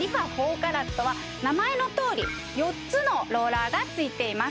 ＣＡＲＡＴは名前のとおり４つのローラーがついています